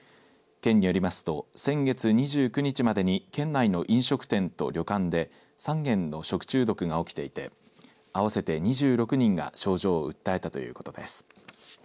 県によりますと先月２９日までに県内に飲食店と旅館で３件の食中毒が起きていて合わせて２６人が症状を訴えたということです。